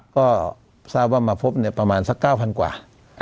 ก็ทราบว่ามาพบประมาณสัก๙๐๐กว่า